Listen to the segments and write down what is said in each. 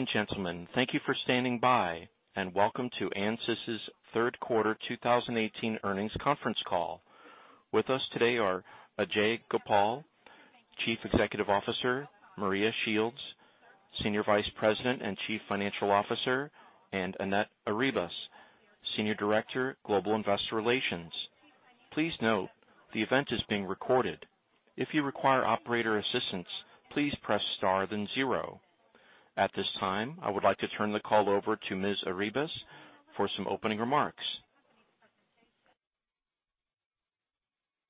Ladies and gentlemen, thank you for standing by, and welcome to Ansys' third quarter 2018 earnings conference call. With us today are Ajei Gopal, Chief Executive Officer, Maria Shields, Senior Vice President and Chief Financial Officer, and Annette Arribas, Senior Director, Global Investor Relations. Please note, the event is being recorded. If you require operator assistance, please press star then zero. At this time, I would like to turn the call over to Ms. Arribas for some opening remarks.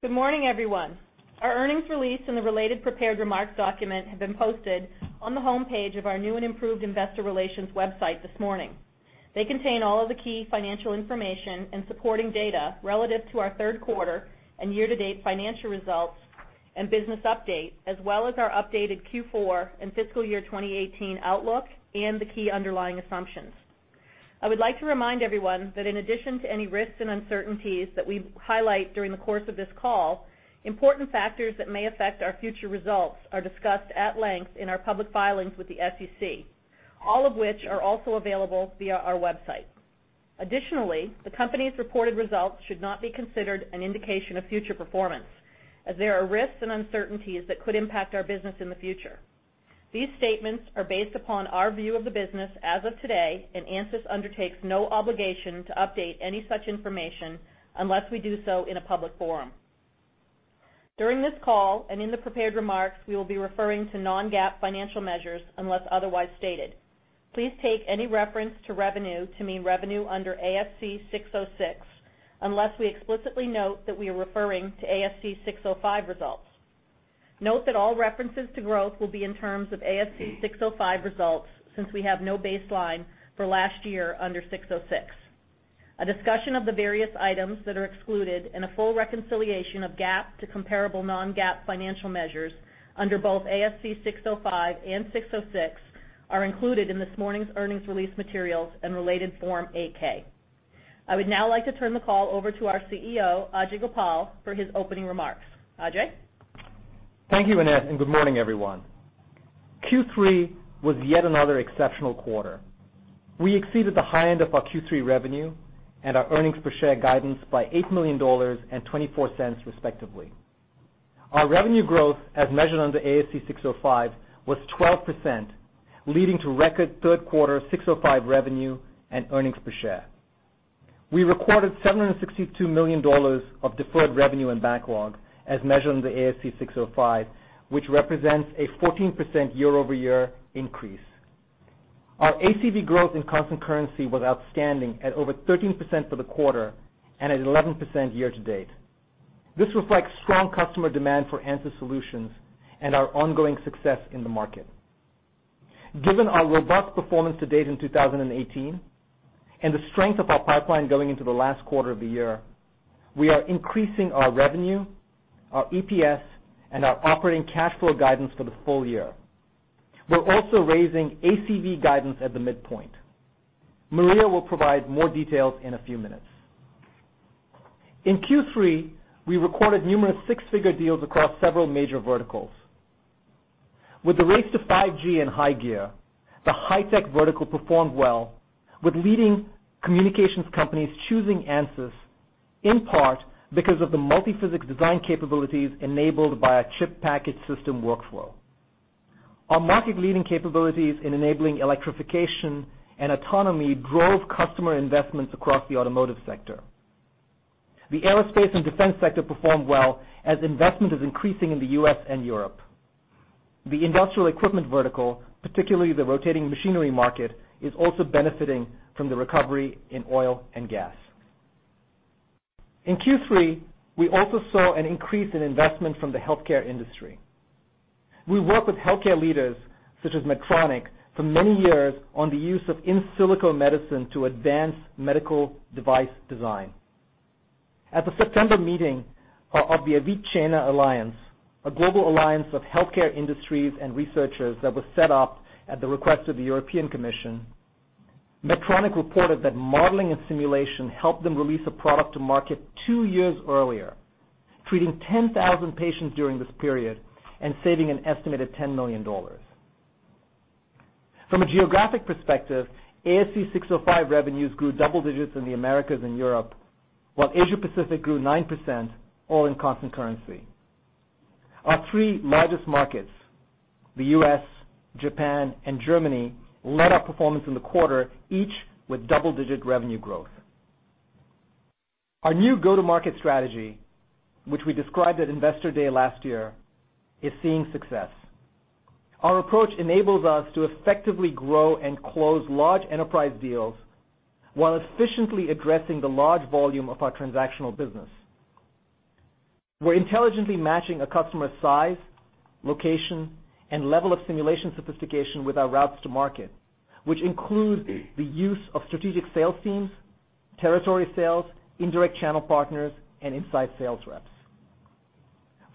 Good morning, everyone. Our earnings release and the related prepared remarks document have been posted on the homepage of our new and improved investor relations website this morning. They contain all of the key financial information and supporting data relative to our third quarter and year-to-date financial results and business update, as well as our updated Q4 and fiscal year 2018 outlook and the key underlying assumptions. I would like to remind everyone that in addition to any risks and uncertainties that we highlight during the course of this call, important factors that may affect our future results are discussed at length in our public filings with the SEC, all of which are also available via our website. Additionally, the company's reported results should not be considered an indication of future performance, as there are risks and uncertainties that could impact our business in the future. These statements are based upon our view of the business as of today. Ansys undertakes no obligation to update any such information unless we do so in a public forum. During this call and in the prepared remarks, we will be referring to non-GAAP financial measures, unless otherwise stated. Please take any reference to revenue to mean revenue under ASC 606, unless we explicitly note that we are referring to ASC 605 results. Note that all references to growth will be in terms of ASC 605 results since we have no baseline for last year under 606. A discussion of the various items that are excluded and a full reconciliation of GAAP to comparable non-GAAP financial measures under both ASC 605 and 606 are included in this morning's earnings release materials and related Form 8-K. I would now like to turn the call over to our CEO, Ajei Gopal, for his opening remarks. Ajei? Thank you, Annette, and good morning, everyone. Q3 was yet another exceptional quarter. We exceeded the high end of our Q3 revenue and our earnings-per-share guidance by $8 million and $0.24 respectively. Our revenue growth, as measured under ASC 605, was 12%, leading to record third quarter 605 revenue and earnings per share. We recorded $762 million of deferred revenue and backlog as measured under ASC 605, which represents a 14% year-over-year increase. Our ACV growth in constant currency was outstanding, at over 13% for the quarter and at 11% year-to-date. This reflects strong customer demand for Ansys solutions and our ongoing success in the market. Given our robust performance to date in 2018 and the strength of our pipeline going into the last quarter of the year, we are increasing our revenue, our EPS, and our operating cash flow guidance for the full year. We're also raising ACV guidance at the midpoint. Maria will provide more details in a few minutes. In Q3, we recorded numerous six-figure deals across several major verticals. With the race to 5G in high gear, the high-tech vertical performed well, with leading communications companies choosing Ansys, in part because of the multi-physics design capabilities enabled by our chip package system workflow. Our market-leading capabilities in enabling electrification and autonomy drove customer investments across the automotive sector. The aerospace and defense sector performed well as investment is increasing in the U.S. and Europe. The industrial equipment vertical, particularly the rotating machinery market, is also benefiting from the recovery in oil and gas. In Q3, we also saw an increase in investment from the healthcare industry. We've worked with healthcare leaders such as Medtronic for many years on the use of in silico medicine to advance medical device design. At the September meeting of the Avicenna Alliance, a global alliance of healthcare industries and researchers that was set up at the request of the European Commission, Medtronic reported that modeling and simulation helped them release a product to market two years earlier, treating 10,000 patients during this period and saving an estimated $10 million. From a geographic perspective, ASC 605 revenues grew double digits in the Americas and Europe, while Asia-Pacific grew 9%, all in constant currency. Our three largest markets, the U.S., Japan, and Germany, led our performance in the quarter, each with double-digit revenue growth. Our new go-to-market strategy, which we described at Investor Day last year, is seeing success. Our approach enables us to effectively grow and close large enterprise deals while efficiently addressing the large volume of our transactional business. We're intelligently matching a customer's size, location, and level of simulation sophistication with our routes to market, which include the use of strategic sales teams, territory sales, indirect channel partners, and inside sales reps.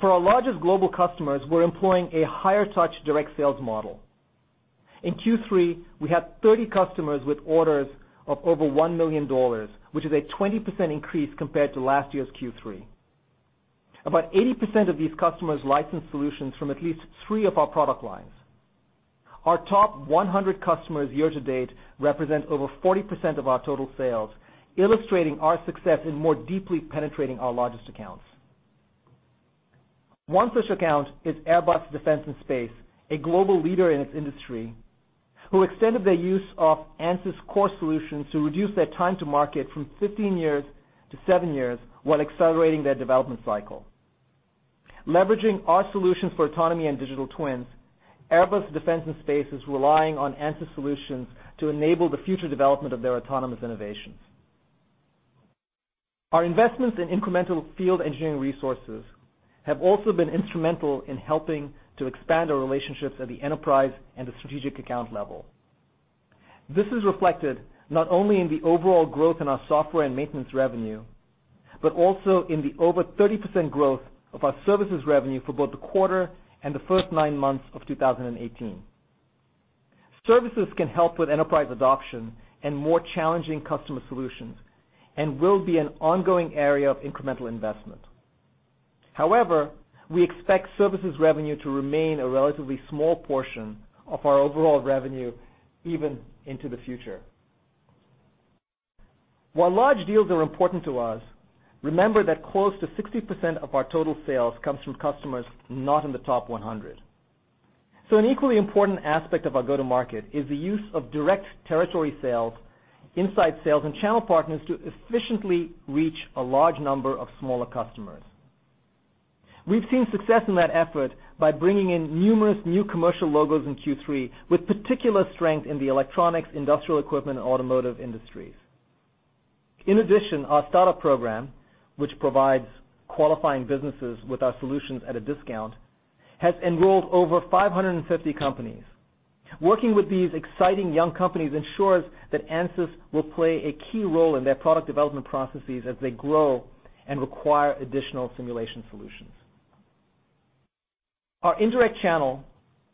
For our largest global customers, we're employing a higher-touch direct sales model. In Q3, we had 30 customers with orders of over $1 million, which is a 20% increase compared to last year's Q3. About 80% of these customers license solutions from at least three of our product lines. Our top 100 customers year-to-date represent over 40% of our total sales, illustrating our success in more deeply penetrating our largest accounts. One such account is Airbus Defence and Space, a global leader in its industry, who extended their use of Ansys core solutions to reduce their time to market from 15 years to seven years while accelerating their development cycle. Leveraging our solutions for autonomy and digital twins, Airbus Defence and Space is relying on Ansys solutions to enable the future development of their autonomous innovations. Our investments in incremental field engineering resources have also been instrumental in helping to expand our relationships at the enterprise and the strategic account level. This is reflected not only in the overall growth in our software and maintenance revenue, but also in the over 30% growth of our services revenue for both the quarter and the first nine months of 2018. Services can help with enterprise adoption and more challenging customer solutions and will be an ongoing area of incremental investment. However, we expect services revenue to remain a relatively small portion of our overall revenue even into the future. While large deals are important to us, remember that close to 60% of our total sales comes from customers not in the top 100. An equally important aspect of our go-to-market is the use of direct territory sales, inside sales, and channel partners to efficiently reach a large number of smaller customers. We've seen success in that effort by bringing in numerous new commercial logos in Q3, with particular strength in the electronics, industrial equipment, and automotive industries. In addition, our startup program, which provides qualifying businesses with our solutions at a discount, has enrolled over 550 companies. Working with these exciting young companies ensures that Ansys will play a key role in their product development processes as they grow and require additional simulation solutions. Our indirect channel,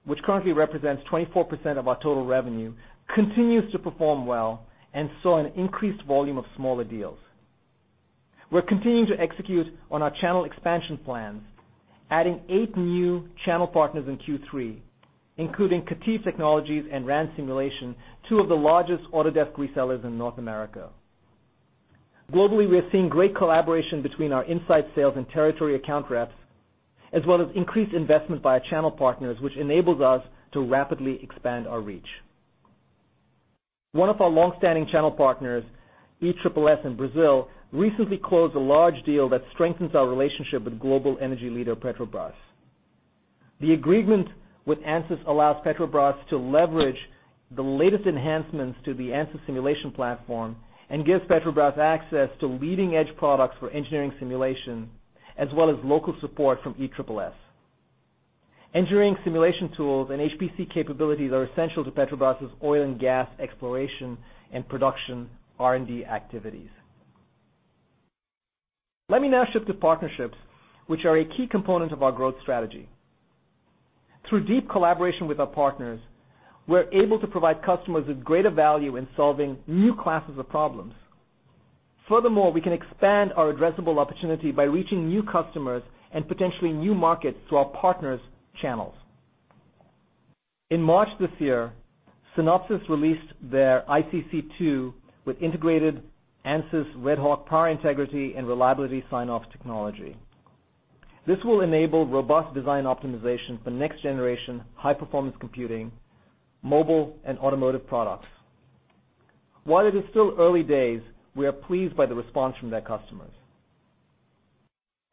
which currently represents 24% of our total revenue, continues to perform well and saw an increased volume of smaller deals. We're continuing to execute on our channel expansion plans, adding eight new channel partners in Q3, including KETIV Technologies and Rand Simulation, two of the largest Autodesk resellers in North America. Globally, we are seeing great collaboration between our inside sales and territory account reps, as well as increased investment by our channel partners, which enables us to rapidly expand our reach. One of our long-standing channel partners, ESSS in Brazil, recently closed a large deal that strengthens our relationship with global energy leader Petrobras. The agreement with Ansys allows Petrobras to leverage the latest enhancements to the Ansys simulation platform and gives Petrobras access to leading-edge products for engineering simulation, as well as local support from ESSS. Engineering simulation tools and HPC capabilities are essential to Petrobras' oil and gas exploration and production R&D activities. Let me now shift to partnerships, which are a key component of our growth strategy. Through deep collaboration with our partners, we're able to provide customers with greater value in solving new classes of problems. Furthermore, we can expand our addressable opportunity by reaching new customers and potentially new markets through our partners' channels. In March this year, Synopsys released their ICC2 with integrated Ansys RedHawk power integrity and reliability sign-off technology. This will enable robust design optimization for next-generation high-performance computing, mobile, and automotive products. While it is still early days, we are pleased by the response from their customers.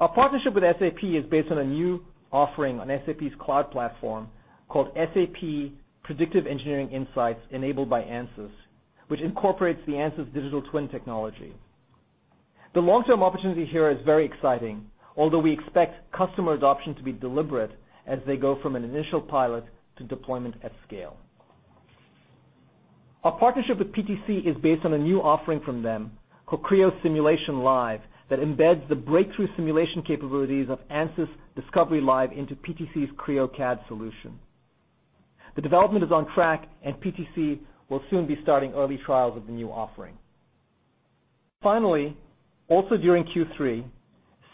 Our partnership with SAP is based on a new offering on SAP's cloud platform called SAP Predictive Engineering Insights enabled by Ansys, which incorporates the Ansys digital twin technology. The long-term opportunity here is very exciting, although we expect customer adoption to be deliberate as they go from an initial pilot to deployment at scale. Our partnership with PTC is based on a new offering from them called Creo Simulation Live that embeds the breakthrough simulation capabilities of Ansys Discovery Live into PTC's Creo CAD solution. The development is on track, PTC will soon be starting early trials of the new offering. Finally, also during Q3,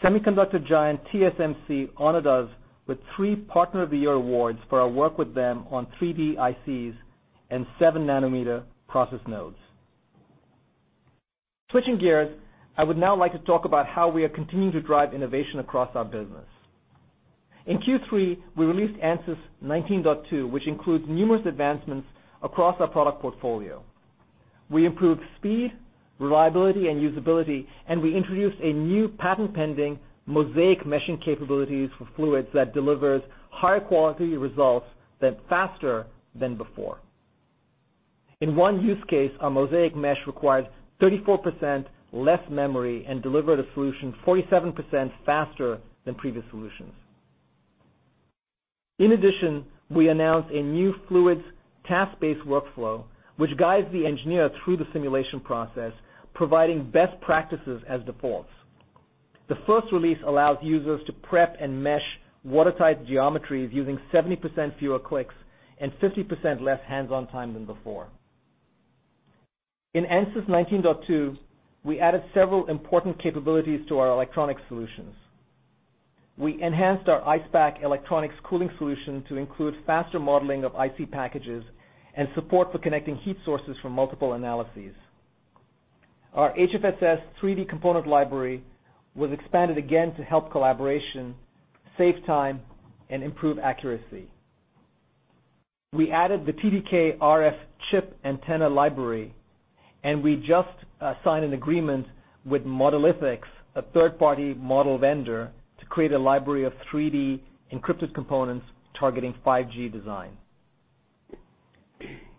semiconductor giant TSMC honored us with three Partner of the Year awards for our work with them on 3D ICs and 7 nm process nodes. Switching gears, I would now like to talk about how we are continuing to drive innovation across our business. In Q3, we released Ansys 19.2, which includes numerous advancements across our product portfolio. We improved speed, reliability, and usability, and we introduced a new patent-pending mosaic meshing capabilities for fluids that delivers higher quality results faster than before. In one use case, our mosaic mesh required 34% less memory and delivered a solution 47% faster than previous solutions. In addition, we announced a new fluids task-based workflow, which guides the engineer through the simulation process, providing best practices as defaults. The first release allows users to prep and mesh watertight geometries using 70% fewer clicks and 50% less hands-on time than before. In Ansys 19.2, we added several important capabilities to our electronic solutions. We enhanced our Icepak electronics cooling solution to include faster modeling of IC packages and support for connecting heat sources from multiple analyses. Our HFSS 3D component library was expanded again to help collaboration, save time, and improve accuracy. We added the TDK RF chip antenna library, and we just signed an agreement with Modelithics, a third-party model vendor, to create a library of 3D encrypted components targeting 5G design.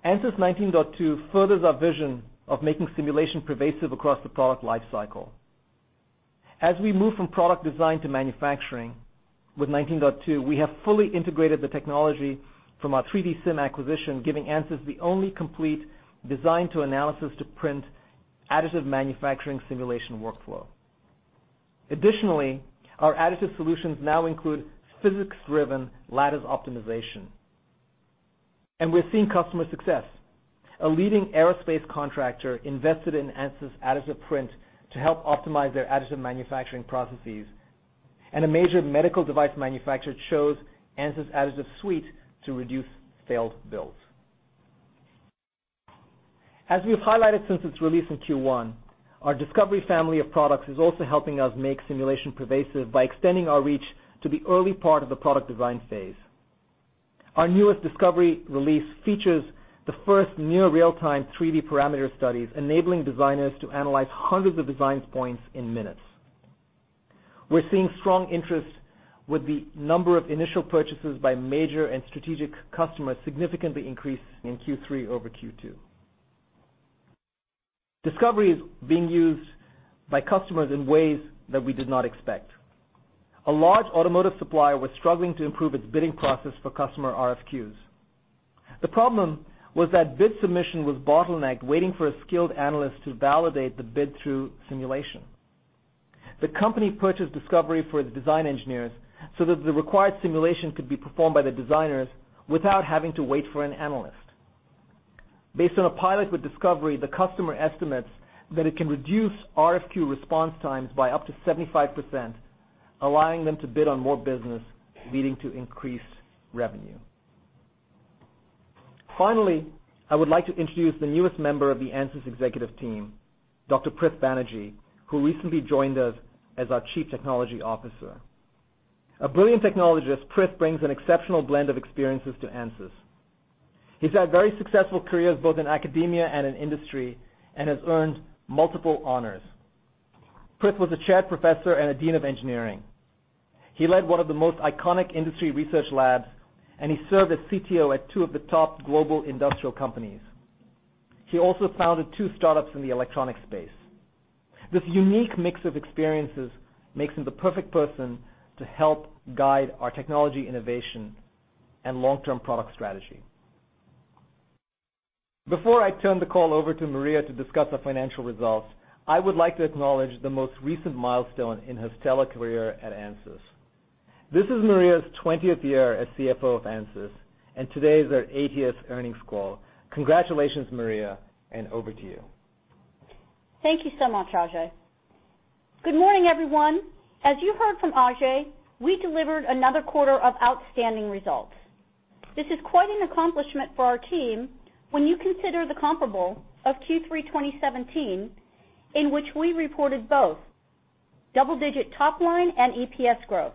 Ansys 19.2 furthers our vision of making simulation pervasive across the product lifecycle. As we move from product design to manufacturing with 19.2, we have fully integrated the technology from our 3DSIM acquisition, giving Ansys the only complete design-to-analysis-to-print additive manufacturing simulation workflow. Additionally, our additive solutions now include physics-driven lattice optimization, and we're seeing customer success. A leading aerospace contractor invested in Ansys Additive Print to help optimize their additive manufacturing processes, and a major medical device manufacturer chose Ansys Additive Suite to reduce failed builds. As we have highlighted since its release in Q1, our Discovery family of products is also helping us make simulation pervasive by extending our reach to the early part of the product design phase. Our newest Discovery release features the first near real-time 3D parameter studies, enabling designers to analyze hundreds of design points in minutes. We're seeing strong interest with the number of initial purchases by major and strategic customers significantly increase in Q3 over Q2. Discovery is being used by customers in ways that we did not expect. A large automotive supplier was struggling to improve its bidding process for customer RFQs. The problem was that bid submission was bottlenecked, waiting for a skilled analyst to validate the bid through simulation. The company purchased Discovery for its design engineers so that the required simulation could be performed by the designers without having to wait for an analyst. Based on a pilot with Discovery, the customer estimates that it can reduce RFQ response times by up to 75%, allowing them to bid on more business, leading to increased revenue. Finally, I would like to introduce the newest member of the Ansys executive team, Dr. Prith Banerjee, who recently joined us as our Chief Technology Officer. A brilliant technologist, Prith brings an exceptional blend of experiences to Ansys. He's had very successful careers both in academia and in industry and has earned multiple honors. Prith was a chaired professor and a dean of engineering. He led one of the most iconic industry research labs, and he served as CTO at two of the top global industrial companies. He also founded two startups in the electronic space. This unique mix of experiences makes him the perfect person to help guide our technology innovation and long-term product strategy. Before I turn the call over to Maria to discuss our financial results, I would like to acknowledge the most recent milestone in her stellar career at Ansys. This is Maria's 20th year as CFO of Ansys, and today is our 80th earnings call. Congratulations, Maria, and over to you. Thank you so much, Ajei. Good morning, everyone. As you heard from Ajei, we delivered another quarter of outstanding results. This is quite an accomplishment for our team when you consider the comparable of Q3 2017, in which we reported both double-digit top-line and EPS growth.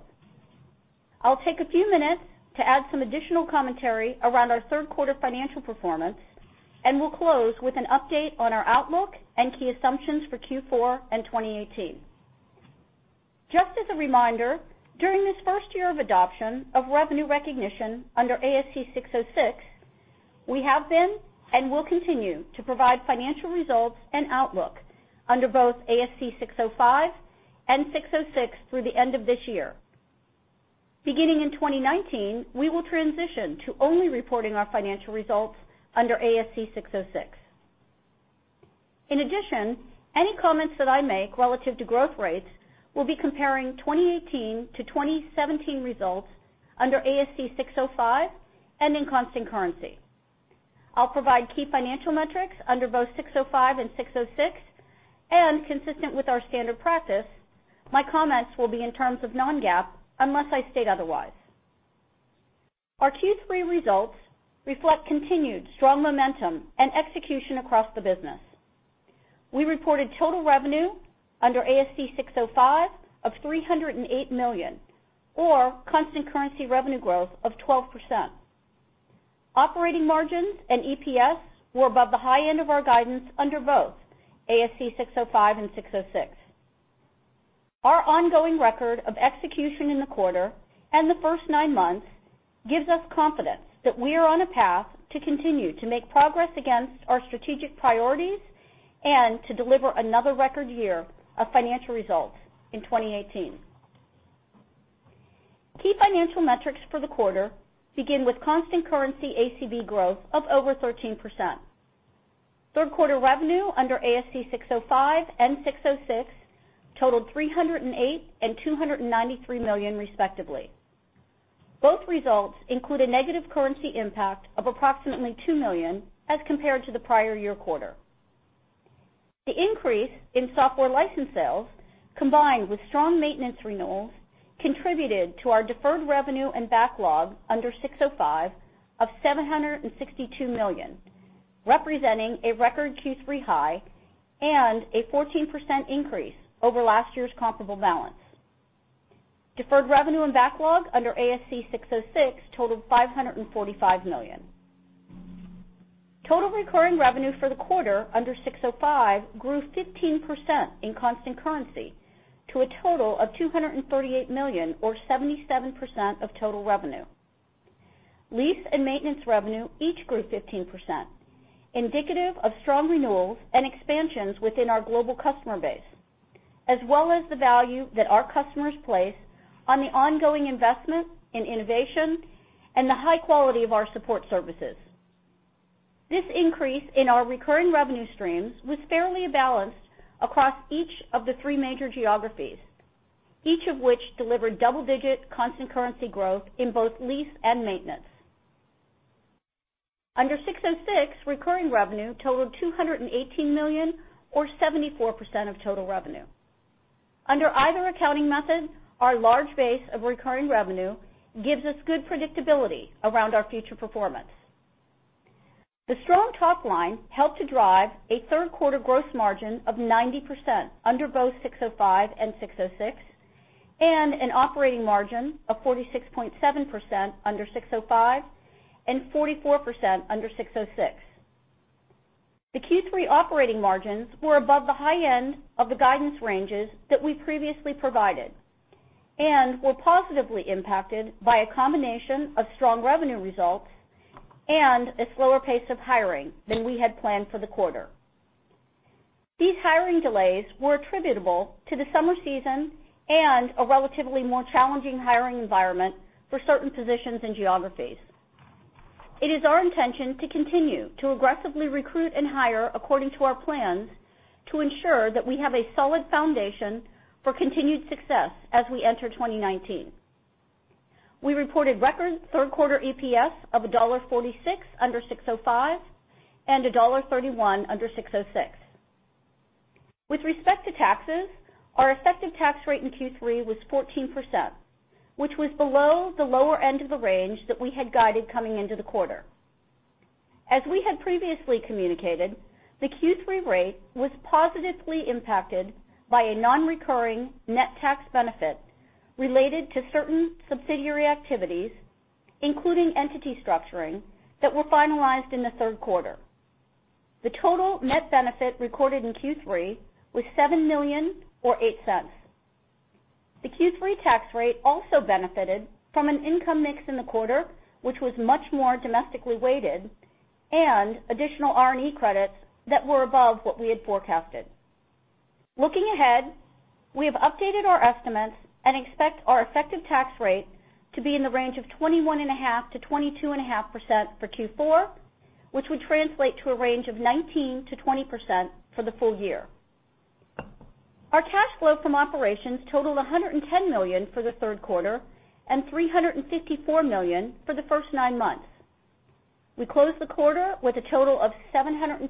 I'll take a few minutes to add some additional commentary around our third-quarter financial performance, and we'll close with an update on our outlook and key assumptions for Q4 and 2018. Just as a reminder, during this first year of adoption of revenue recognition under ASC 606, we have been and will continue to provide financial results and outlook under both ASC 605 and 606 through the end of this year. Beginning in 2019, we will transition to only reporting our financial results under ASC 606. In addition, any comments that I make relative to growth rates will be comparing 2018 to 2017 results under ASC 605 and in constant currency. I'll provide key financial metrics under both 605 and 606, and consistent with our standard practice, my comments will be in terms of non-GAAP unless I state otherwise. Our Q3 results reflect continued strong momentum and execution across the business. We reported total revenue under ASC 605 of $308 million, or constant currency revenue growth of 12%. Operating margins and EPS were above the high end of our guidance under both ASC 605 and 606. Our ongoing record of execution in the quarter and the first nine months gives us confidence that we are on a path to continue to make progress against our strategic priorities and to deliver another record year of financial results in 2018. Key financial metrics for the quarter begin with constant currency ACV growth of over 13%. Third-quarter revenue under ASC 605 and ASC 606 totaled $308 million and $293 million respectively. Both results include a negative currency impact of approximately $2 million as compared to the prior year quarter. The increase in software license sales, combined with strong maintenance renewals, contributed to our deferred revenue and backlog under ASC 605 of $762 million, representing a record Q3 high and a 14% increase over last year's comparable balance. Deferred revenue and backlog under ASC 606 totaled $545 million. Total recurring revenue for the quarter under ASC 605 grew 15% in constant currency to a total of $238 million, or 77% of total revenue. Lease and maintenance revenue each grew 15%, indicative of strong renewals and expansions within our global customer base, as well as the value that our customers place on the ongoing investment in innovation and the high quality of our support services. This increase in our recurring revenue streams was fairly balanced across each of the three major geographies, each of which delivered double-digit constant currency growth in both lease and maintenance. Under ASC 606, recurring revenue totaled $218 million, or 74% of total revenue. Under either accounting method, our large base of recurring revenue gives us good predictability around our future performance. The strong top line helped to drive a third-quarter gross margin of 90% under both ASC 605 and ASC 606, and an operating margin of 46.7% under ASC 605 and 44% under ASC 606. The Q3 operating margins were above the high end of the guidance ranges that we previously provided and were positively impacted by a combination of strong revenue results and a slower pace of hiring than we had planned for the quarter. These hiring delays were attributable to the summer season and a relatively more challenging hiring environment for certain positions and geographies. It is our intention to continue to aggressively recruit and hire according to our plans to ensure that we have a solid foundation for continued success as we enter 2019. We reported record third-quarter EPS of $1.46 under ASC 605 and $1.31 under ASC 606. With respect to taxes, our effective tax rate in Q3 was 14%, which was below the lower end of the range that we had guided coming into the quarter. As we had previously communicated, the Q3 rate was positively impacted by a non-recurring net tax benefit related to certain subsidiary activities, including entity structuring, that were finalized in the third quarter. The total net benefit recorded in Q3 was $7 million, or $0.08. The Q3 tax rate also benefited from an income mix in the quarter, which was much more domestically weighted, and additional R&E credits that were above what we had forecasted. Looking ahead, we have updated our estimates and expect our effective tax rate to be in the range of 21.5%-22.5% for Q4, which would translate to a range of 19%-20% for the full year. Our cash flow from operations totaled $110 million for the third quarter and $354 million for the first nine months. We closed the quarter with a total of $729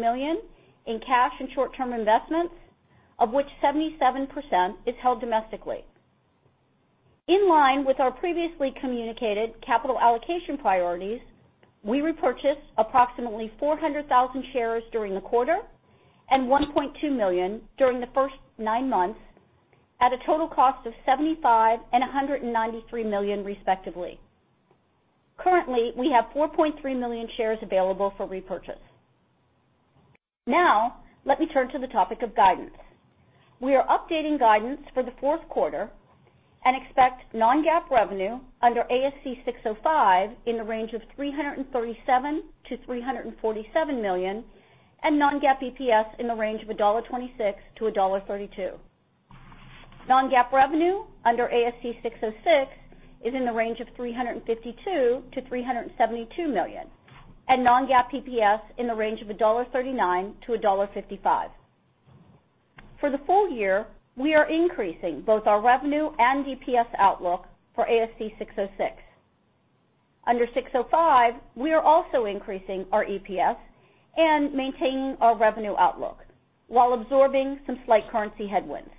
million in cash and short-term investments, of which 77% is held domestically. In line with our previously communicated capital allocation priorities, we repurchased approximately 400,000 shares during the quarter and 1.2 million during the first nine months at a total cost of $75 million and $193 million respectively. Currently, we have 4.3 million shares available for repurchase. Let me turn to the topic of guidance. We are updating guidance for the fourth quarter and expect non-GAAP revenue under ASC 605 in the range of $337 million-$347 million and non-GAAP EPS in the range of $1.26-$1.32. Non-GAAP revenue under ASC 606 is in the range of $352 million-$372 million and non-GAAP EPS in the range of $1.39-$1.55. For the full year, we are increasing both our revenue and EPS outlook for ASC 606. Under 605, we are also increasing our EPS and maintaining our revenue outlook while absorbing some slight currency headwinds.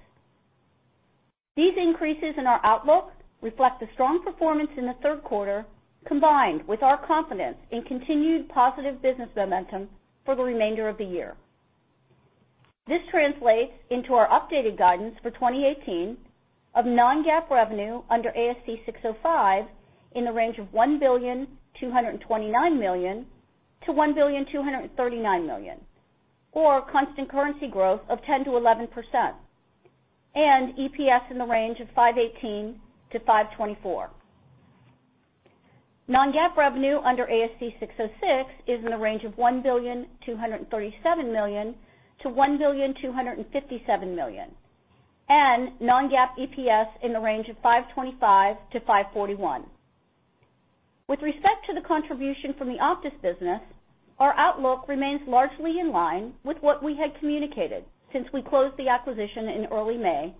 These increases in our outlook reflect the strong performance in the third quarter, combined with our confidence in continued positive business momentum for the remainder of the year. This translates into our updated guidance for 2018 of non-GAAP revenue under ASC 605 in the range of $1.229 billion-$1.239 billion, or constant currency growth of 10%-11%, and EPS in the range of $5.18-$5.24. Non-GAAP revenue under ASC 606 is in the range of $1.237 billion-$1.257 billion, and non-GAAP EPS in the range of $5.25-$5.41. With respect to the contribution from the OPTIS business, our outlook remains largely in line with what we had communicated since we closed the acquisition in early May,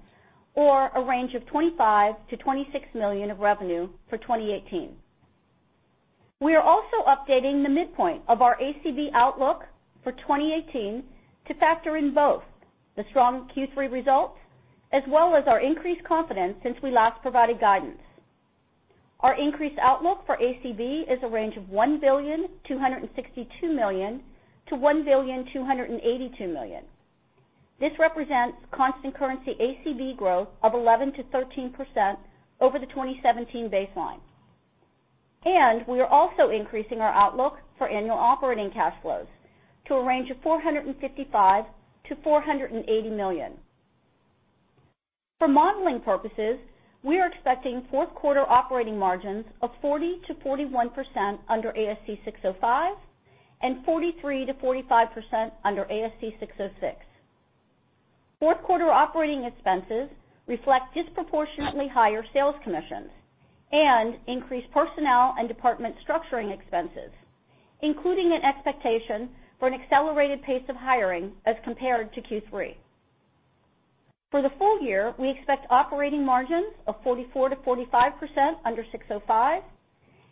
or a range of $25 million-$26 million of revenue for 2018. We are also updating the midpoint of our ACV outlook for 2018 to factor in both the strong Q3 results as well as our increased confidence since we last provided guidance. Our increased outlook for ACV is a range of $1.262 billion-$1.282 billion. This represents constant currency ACV growth of 11%-13% over the 2017 baseline. We are also increasing our outlook for annual operating cash flows to a range of $455 million-$480 million. For modeling purposes, we are expecting fourth quarter operating margins of 40%-41% under ASC 605 and 43%-45% under ASC 606. Fourth quarter operating expenses reflect disproportionately higher sales commissions and increased personnel and department structuring expenses, including an expectation for an accelerated pace of hiring as compared to Q3. For the full year, we expect operating margins of 44%-45% under 605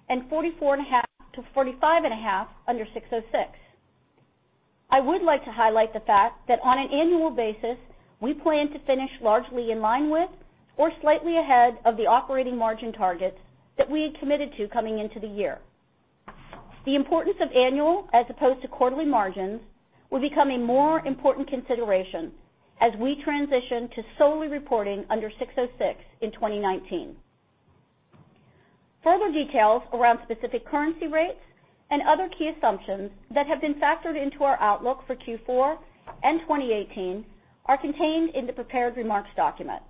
and 44.5%-45.5% under 606. I would like to highlight the fact that on an annual basis, we plan to finish largely in line with or slightly ahead of the operating margin targets that we had committed to coming into the year. The importance of annual as opposed to quarterly margins will become a more important consideration as we transition to solely reporting under 606 in 2019. Further details around specific currency rates and other key assumptions that have been factored into our outlook for Q4 and 2018 are contained in the prepared remarks document.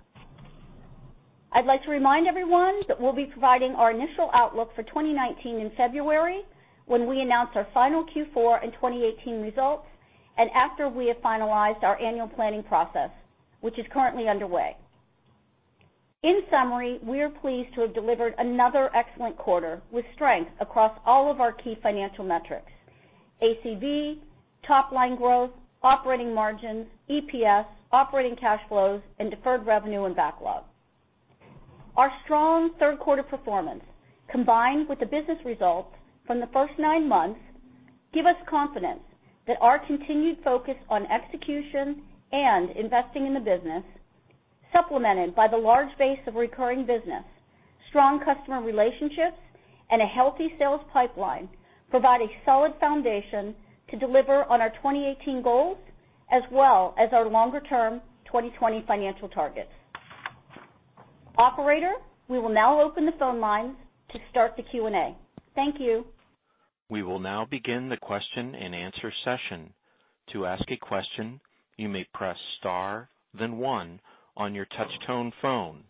I'd like to remind everyone that we'll be providing our initial outlook for 2019 in February, when we announce our final Q4 and 2018 results and after we have finalized our annual planning process, which is currently underway. In summary, we are pleased to have delivered another excellent quarter with strength across all of our key financial metrics: ACV, top-line growth, operating margins, EPS, operating cash flows, and deferred revenue and backlog. Our strong third-quarter performance, combined with the business results from the first nine months, give us confidence that our continued focus on execution and investing in the business, supplemented by the large base of recurring business, strong customer relationships, and a healthy sales pipeline, provide a solid foundation to deliver on our 2018 goals as well as our longer-term 2020 financial targets. Operator, we will now open the phone lines to start the Q&A. Thank you. We will now begin the question and answer session. To ask a question, you may press star then one on your touch-tone phone.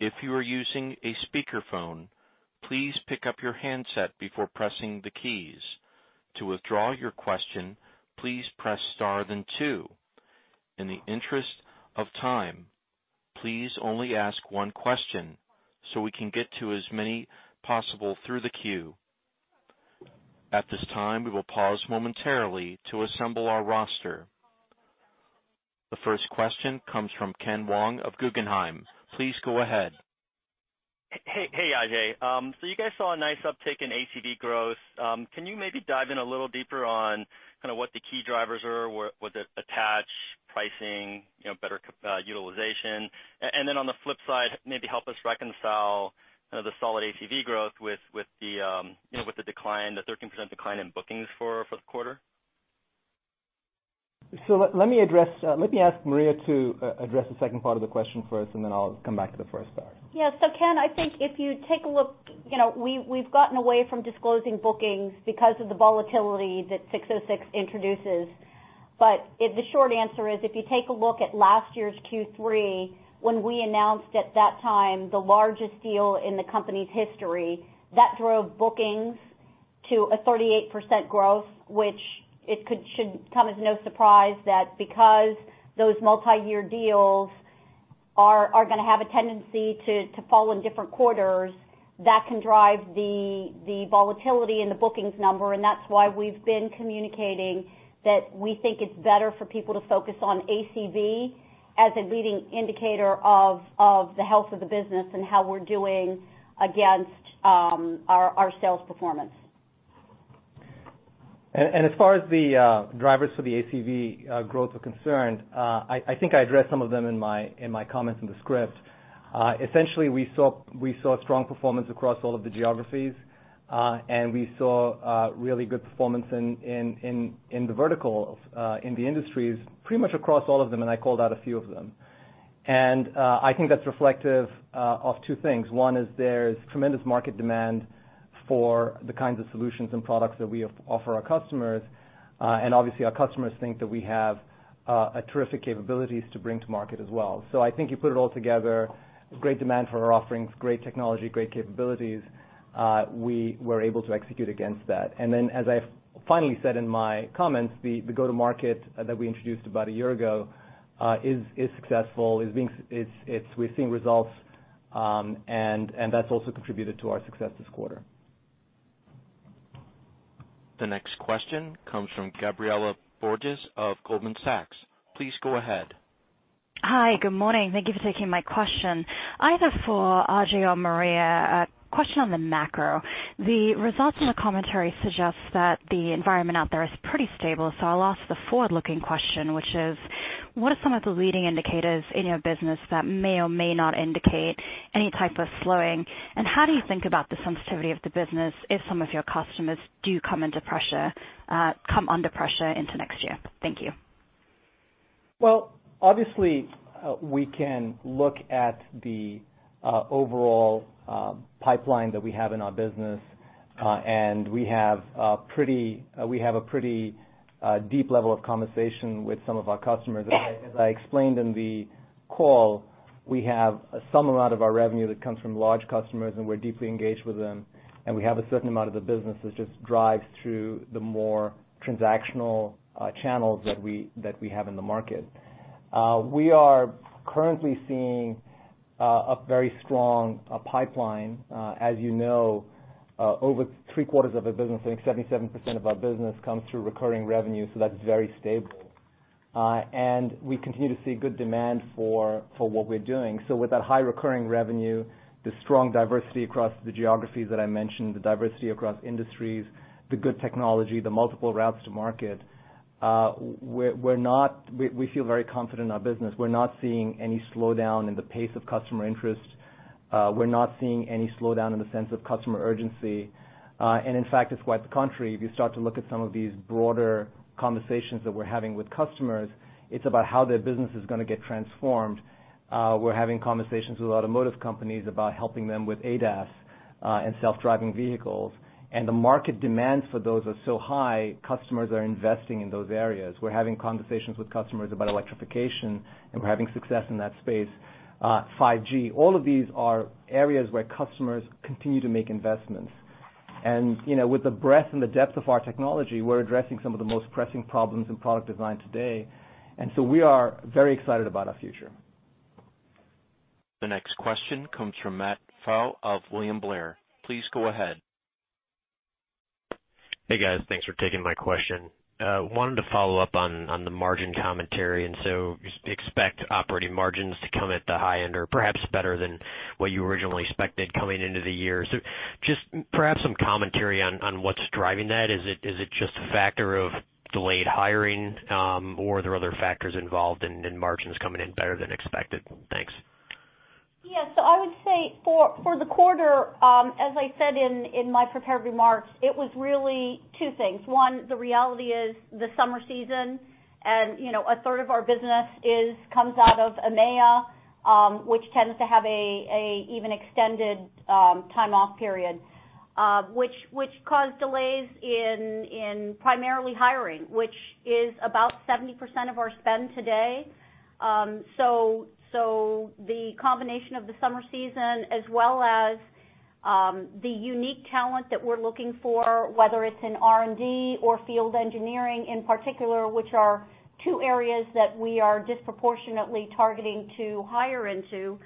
If you are using a speakerphone, please pick up your handset before pressing the keys. To withdraw your question, please press star then two. In the interest of time, please only ask one question so we can get to as many possible through the queue. At this time, we will pause momentarily to assemble our roster. The first question comes from Ken Wong of Guggenheim. Please go ahead. Hey, Ajei. You guys saw a nice uptick in ACV growth. Can you maybe dive in a little deeper on what the key drivers are? Was it attach pricing, better utilization? Then on the flip side, maybe help us reconcile the solid ACV growth with the 13% decline in bookings for the fourth quarter. Let me ask Maria to address the second part of the question first, and then I'll come back to the first part. Ken, I think if you take a look, we've gotten away from disclosing bookings because of the volatility that 606 introduces. The short answer is, if you take a look at last year's Q3, when we announced at that time the largest deal in the company's history, that drove bookings to a 38% growth, which it should come as no surprise that because those multi-year deals are going to have a tendency to fall in different quarters, that can drive the volatility in the bookings number, and that's why we've been communicating that we think it's better for people to focus on ACV as a leading indicator of the health of the business and how we're doing against our sales performance. As far as the drivers for the ACV growth are concerned, I think I addressed some of them in my comments in the script. Essentially, we saw strong performance across all of the geographies, and we saw really good performance in the verticals, in the industries, pretty much across all of them, and I called out a few of them. I think that's reflective of two things. One is there's tremendous market demand for the kinds of solutions and products that we offer our customers. Obviously our customers think that we have terrific capabilities to bring to market as well. I think you put it all together, great demand for our offerings, great technology, great capabilities. We were able to execute against that. Then, as I finally said in my comments, the go-to-market that we introduced about a year ago is successful. We're seeing results, and that's also contributed to our success this quarter. The next question comes from Gabriela Borges of Goldman Sachs. Please go ahead. Hi. Good morning. Thank you for taking my question. Either for Ajei or Maria, a question on the macro. The results in the commentary suggests that the environment out there is pretty stable, I'll ask the forward-looking question, which is, what are some of the leading indicators in your business that may or may not indicate any type of slowing? How do you think about the sensitivity of the business if some of your customers do come under pressure into next year? Thank you. Well, obviously, we can look at the overall pipeline that we have in our business. We have a pretty deep level of conversation with some of our customers. As I explained in the call, we have some amount of our revenue that comes from large customers, and we're deeply engaged with them, and we have a certain amount of the business which just drives through the more transactional channels that we have in the market. We are currently seeing a very strong pipeline. As you know, over three-quarters of the business, I think 77% of our business, comes through recurring revenue, so that's very stable. We continue to see good demand for what we're doing. With that high recurring revenue, the strong diversity across the geographies that I mentioned, the diversity across industries, the good technology, the multiple routes to market, we feel very confident in our business. We're not seeing any slowdown in the pace of customer interest. We're not seeing any slowdown in the sense of customer urgency. In fact, it's quite the contrary. If you start to look at some of these broader conversations that we're having with customers, it's about how their business is going to get transformed. We're having conversations with automotive companies about helping them with ADAS and self-driving vehicles. The market demands for those are so high, customers are investing in those areas. We're having conversations with customers about electrification, and we're having success in that space. 5G. All of these are areas where customers continue to make investments. With the breadth and the depth of our technology, we're addressing some of the most pressing problems in product design today. We are very excited about our future. The next question comes from Matthew Pfau of William Blair. Please go ahead. Hey, guys. Thanks for taking my question. I wanted to follow up on the margin commentary. You expect operating margins to come at the high end or perhaps better than what you originally expected coming into the year. Just perhaps some commentary on what's driving that. Is it just a factor of delayed hiring, or are there other factors involved in margins coming in better than expected? Thanks. Yeah. I would say for the quarter, as I said in my prepared remarks, it was really two things. One, the reality is the summer season, and a third of our business comes out of EMEA, which tends to have an even extended time off period, which caused delays in primarily hiring, which is about 70% of our spend today. The combination of the summer season as well as the unique talent that we're looking for, whether it's in R&D or field engineering in particular, which are two areas that we are disproportionately targeting to hire into,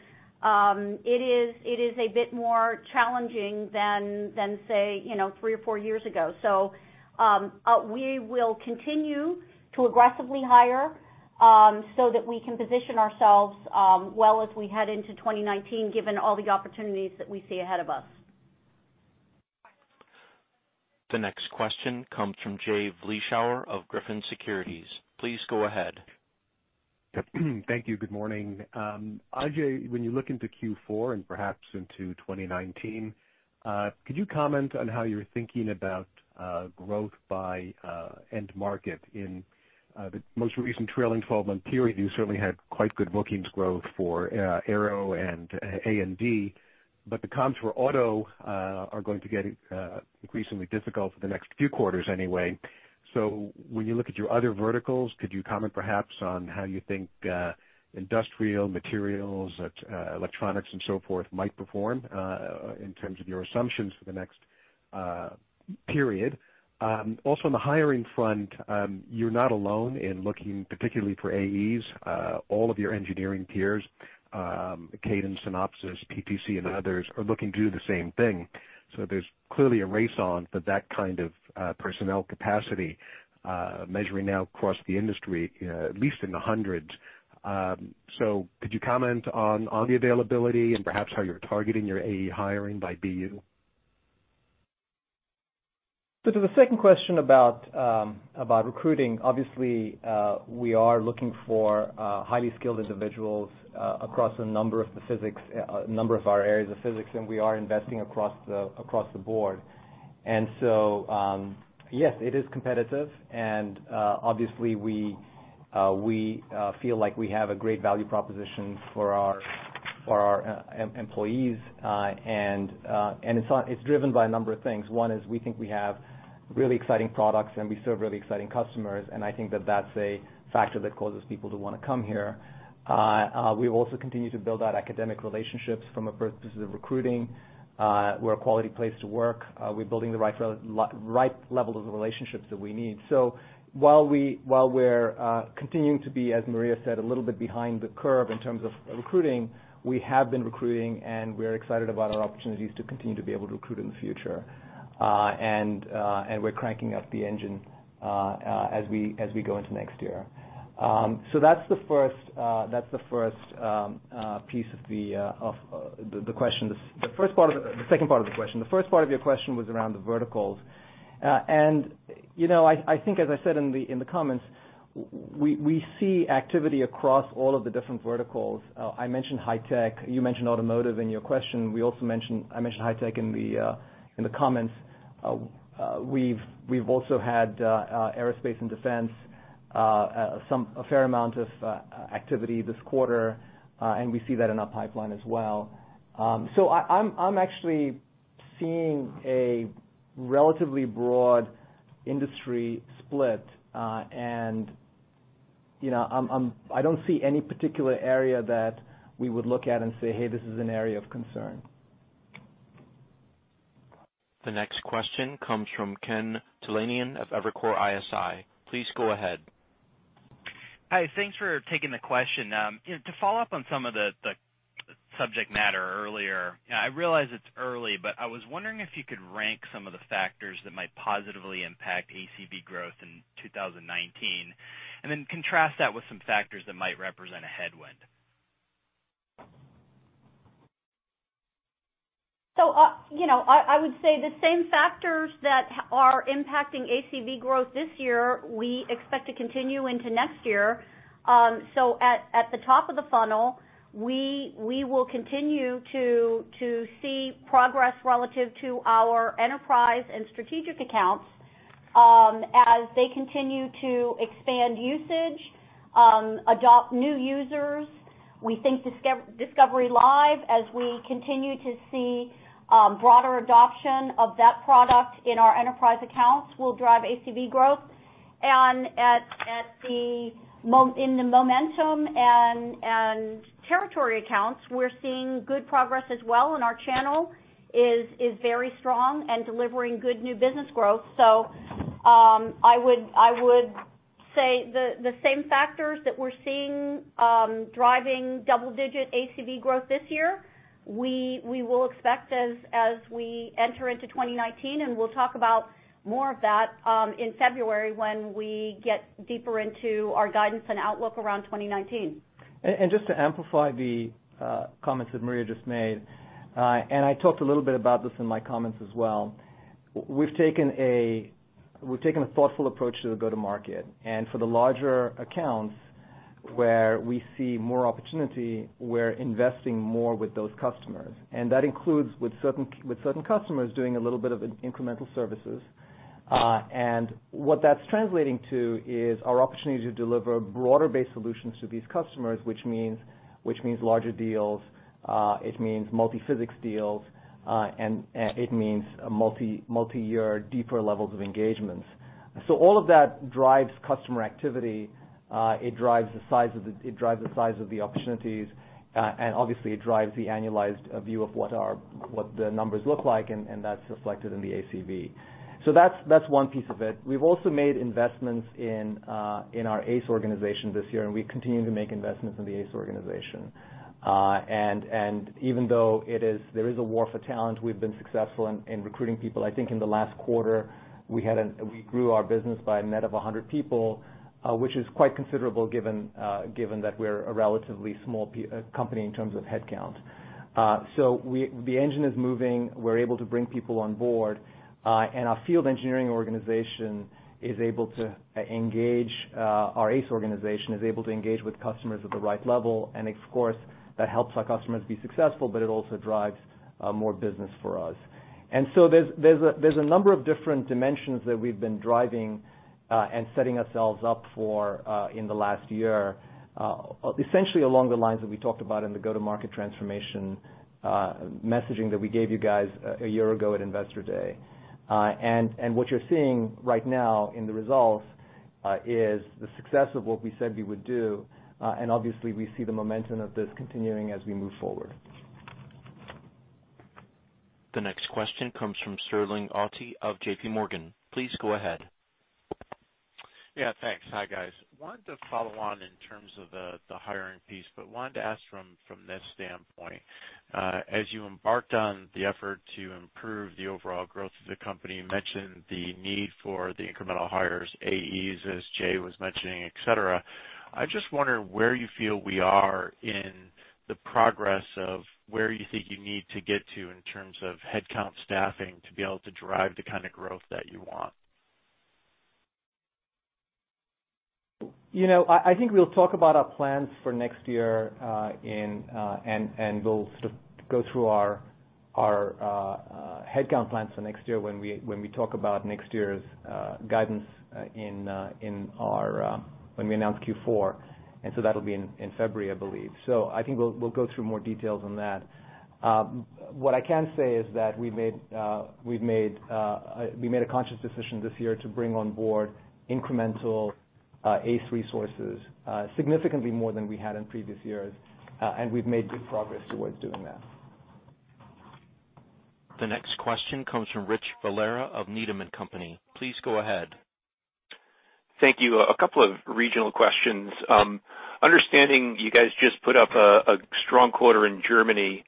it is a bit more challenging than, say, three or four years ago. We will continue to aggressively hire, so that we can position ourselves well as we head into 2019, given all the opportunities that we see ahead of us. The next question comes from Jay Vleeschouwer of Griffin Securities. Please go ahead. Thank you. Good morning. Ajei, when you look into Q4 and perhaps into 2019, could you comment on how you're thinking about growth by end market? In the most recent trailing 12-month period, you certainly had quite good bookings growth for aero and A&D. The comps for auto are going to get increasingly difficult for the next few quarters anyway. When you look at your other verticals, could you comment perhaps on how you think industrial materials, electronics and so forth might perform, in terms of your assumptions for the next period? Also on the hiring front, you're not alone in looking particularly for AEs. All of your engineering peers, Cadence, Synopsys, PTC and others, are looking to do the same thing. There's clearly a race on for that kind of personnel capacity, measuring now across the industry, at least in the hundreds. Could you comment on the availability and perhaps how you're targeting your AE hiring by BU? To the second question about recruiting, obviously, we are looking for highly skilled individuals across a number of our areas of physics, and we are investing across the board. Yes, it is competitive, and obviously, we feel like we have a great value proposition for our employees. It's driven by a number of things. One is we think we have really exciting products, and we serve really exciting customers, and I think that that's a factor that causes people to want to come here. We've also continued to build out academic relationships from a purpose of recruiting. We're a quality place to work. We're building the right level of the relationships that we need. While we're continuing to be, as Maria said, a little bit behind the curve in terms of recruiting, we have been recruiting, and we're excited about our opportunities to continue to be able to recruit in the future. We're cranking up the engine as we go into next year. That's the first piece of the question. The second part of the question. The first part of your question was around the verticals. I think, as I said in the comments, we see activity across all of the different verticals. I mentioned high tech. You mentioned automotive in your question. I mentioned high tech in the comments. We've also had aerospace and defense, a fair amount of activity this quarter, and we see that in our pipeline as well. I'm actually seeing a relatively broad industry split. I don't see any particular area that we would look at and say, "Hey, this is an area of concern. The next question comes from Kenneth Talanian of Evercore ISI. Please go ahead. Hi. Thanks for taking the question. To follow up on some of the subject matter earlier, I realize it's early, but I was wondering if you could rank some of the factors that might positively impact ACV growth in 2019, and then contrast that with some factors that might represent a headwind. I would say the same factors that are impacting ACV growth this year, we expect to continue into next year. At the top of the funnel, we will continue to see progress relative to our enterprise and strategic accounts, as they continue to expand usage, adopt new users. We think Discovery Live, as we continue to see broader adoption of that product in our enterprise accounts, will drive ACV growth. In the momentum and territory accounts, we're seeing good progress as well, and our channel is very strong and delivering good new business growth. I would say the same factors that we're seeing driving double-digit ACV growth this year, we will expect as we enter into 2019, and we'll talk about more of that in February when we get deeper into our guidance and outlook around 2019. Just to amplify the comments that Maria just made, I talked a little bit about this in my comments as well. We've taken a thoughtful approach to the go-to-market. For the larger accounts where we see more opportunity, we're investing more with those customers. That includes with certain customers doing a little bit of incremental services. What that's translating to is our opportunity to deliver broader-based solutions to these customers, which means larger deals. It means multi-physics deals, and it means multi-year deeper levels of engagements. All of that drives customer activity. It drives the size of the opportunities, and obviously, it drives the annualized view of what the numbers look like, and that's reflected in the ACV. That's one piece of it. We've also made investments in our ACE organization this year, and we continue to make investments in the ACE organization. Even though there is a war for talent, we've been successful in recruiting people. I think in the last quarter, we grew our business by a net of 100 people, which is quite considerable given that we're a relatively small company in terms of headcount. The engine is moving. We're able to bring people on board. Our field engineering organization is able to engage our ACE organization, is able to engage with customers at the right level. Of course, that helps our customers be successful, but it also drives more business for us. There's a number of different dimensions that we've been driving, and setting ourselves up for in the last year, essentially along the lines that we talked about in the go-to-market transformation messaging that we gave you guys a year ago at Investor Day. What you're seeing right now in the results is the success of what we said we would do, and obviously, we see the momentum of this continuing as we move forward. The next question comes from Sterling Auty of JPMorgan. Please go ahead. Yeah, thanks. Hi, guys. Wanted to follow on in terms of the hiring piece, but wanted to ask from this standpoint. As you embarked on the effort to improve the overall growth of the company, you mentioned the need for the incremental hires, AEs, as Jay was mentioning, et cetera. I just wonder where you feel we are in the progress of where you think you need to get to in terms of headcount staffing to be able to drive the kind of growth that you want. I think we'll talk about our plans for next year, and we'll sort of go through our headcount plans for next year when we talk about next year's guidance when we announce Q4, that'll be in February, I believe. I think we'll go through more details on that. What I can say is that we made a conscious decision this year to bring on board incremental ACE resources, significantly more than we had in previous years, and we've made good progress towards doing that. The next question comes from Rich Valera of Needham & Company. Please go ahead. Thank you. A couple of regional questions. Understanding you guys just put up a strong quarter in Germany,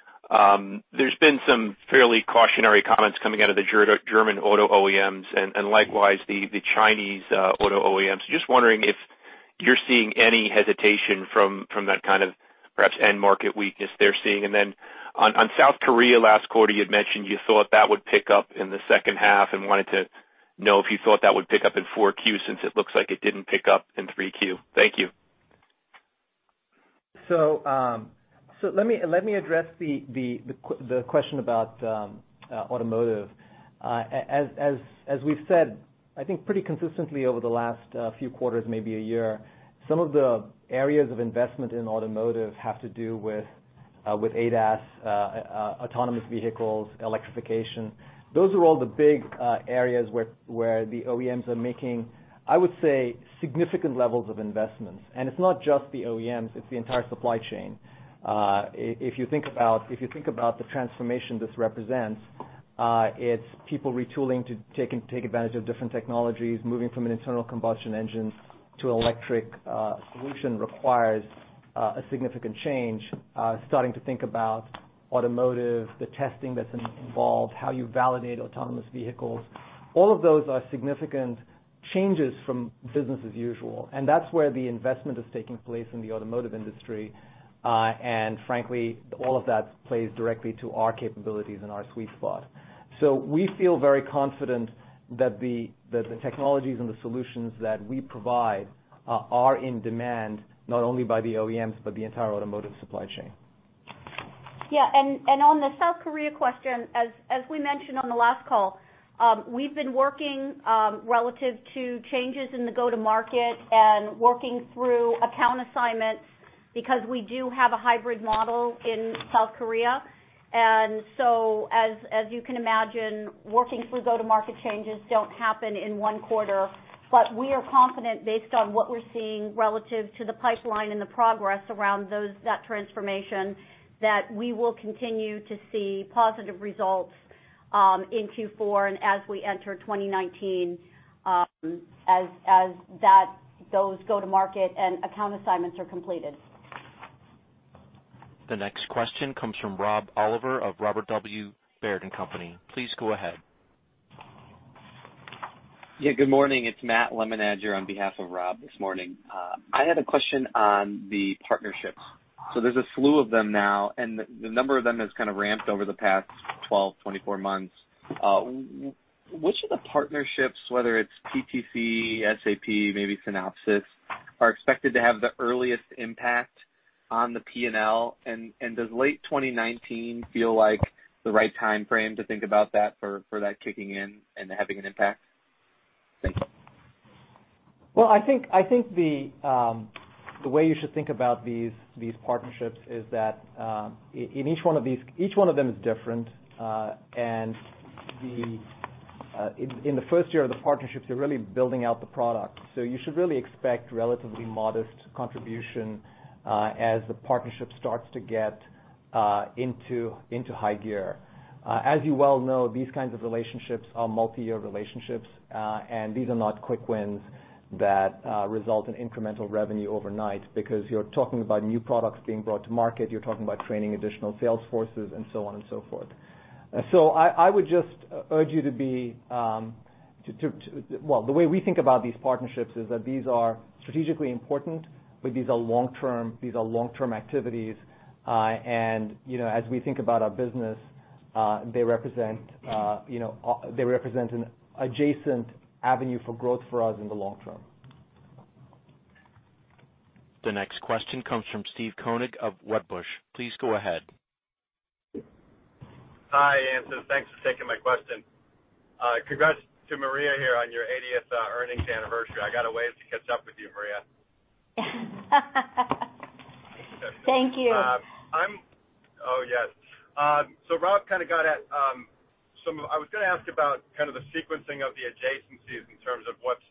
there's been some fairly cautionary comments coming out of the German auto OEMs and likewise the Chinese auto OEMs. Just wondering if you're seeing any hesitation from that kind of perhaps end market weakness they're seeing. On South Korea last quarter, you'd mentioned you thought that would pick up in the second half and wanted to know if you thought that would pick up in four Q since it looks like it didn't pick up in three Q. Thank you. Let me address the question about automotive. As we've said, I think pretty consistently over the last few quarters, maybe a year, some of the areas of investment in automotive have to do with ADAS, autonomous vehicles, electrification. Those are all the big areas where the OEMs are making, I would say, significant levels of investments. It's not just the OEMs, it's the entire supply chain. If you think about the transformation this represents, it's people retooling to take advantage of different technologies. Moving from an internal combustion engine to electric solution requires a significant change. Starting to think about automotive, the testing that's involved, how you validate autonomous vehicles, all of those are significant changes from business as usual, and that's where the investment is taking place in the automotive industry. Frankly, all of that plays directly to our capabilities and our sweet spot. We feel very confident that the technologies and the solutions that we provide are in demand not only by the OEMs, but the entire automotive supply chain. Yeah. On the South Korea question, as we mentioned on the last call, we've been working relative to changes in the go-to-market and working through account assignments because we do have a hybrid model in South Korea. As you can imagine, working through go-to-market changes don't happen in one quarter. We are confident based on what we're seeing relative to the pipeline and the progress around that transformation, that we will continue to see positive results in Q4 and as we enter 2019, as those go-to-market and account assignments are completed. The next question comes from Rob Oliver of Robert W. Baird & Co. Please go ahead. Yeah, good morning. It's Matt Lemenager on behalf of Rob this morning. I had a question on the partnerships. There's a slew of them now, and the number of them has kind of ramped over the past 12, 24 months. Which of the partnerships, whether it's PTC, SAP, maybe Synopsys, are expected to have the earliest impact on the P&L? Does late 2019 feel like the right timeframe to think about that for that kicking in and having an impact? Thank you. I think the way you should think about these partnerships is that each one of them is different. In the first year of the partnerships, you're really building out the product, you should really expect relatively modest contribution as the partnership starts to get into high gear. As you well know, these kinds of relationships are multi-year relationships, these are not quick wins that result in incremental revenue overnight because you're talking about new products being brought to market, you're talking about training additional sales forces and so on and so forth. The way we think about these partnerships is that these are strategically important, these are long-term activities. As we think about our business, they represent an adjacent avenue for growth for us in the long term. The next question comes from Steve Koenig of Wedbush. Please go ahead. Hi, Ansys. Thanks for taking my question. Congrats to Maria here on your 80th earnings anniversary. I got a ways to catch up with you, Maria. Thank you. Oh, yes. I was going to ask about kind of the sequencing of the adjacencies in terms of what's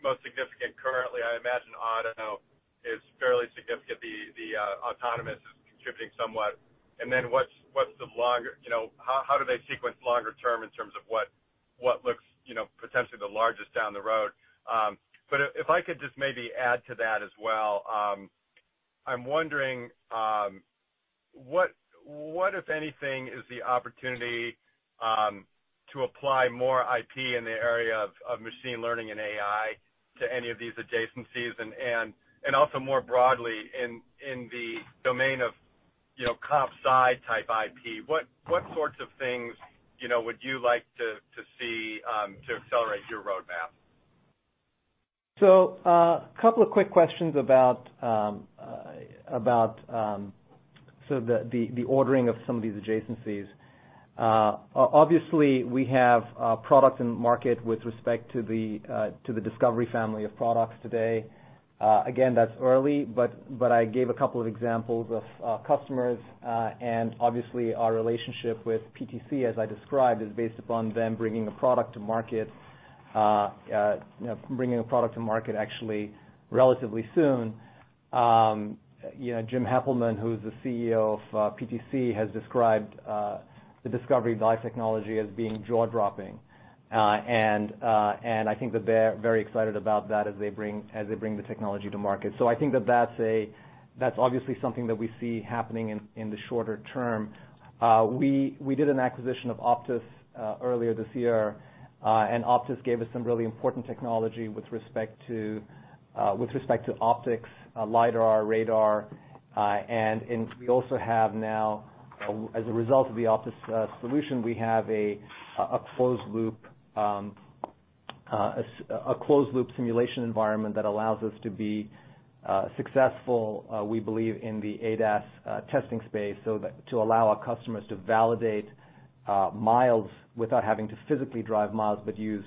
most significant currently. I imagine auto is fairly significant. The autonomous is contributing somewhat. How do they sequence longer term in terms of what looks potentially the largest down the road? If I could just maybe add to that as well. I'm wondering what if anything is the opportunity to apply more IP in the area of machine learning and AI to any of these adjacencies and also more broadly in the domain of comp side type IP, what sorts of things would you like to see to accelerate your roadmap? A couple of quick questions about the ordering of some of these adjacencies. Obviously, we have a product in market with respect to the Discovery family of products today. Again, that's early, but I gave a couple of examples of customers. Obviously our relationship with PTC, as I described, is based upon them bringing a product to market actually relatively soon. Jim Heppelmann, who's the CEO of PTC, has described the Discovery Live technology as being jaw-dropping. I think that they're very excited about that as they bring the technology to market. I think that's obviously something that we see happening in the shorter term. We did an acquisition of OPTIS earlier this year, and OPTIS gave us some really important technology with respect to optics, LiDAR, radar. We also have now, as a result of the OPTIS solution, we have a closed loop simulation environment that allows us to be successful, we believe, in the ADAS testing space. To allow our customers to validate miles without having to physically drive miles, but use